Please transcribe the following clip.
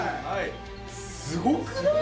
すごくない？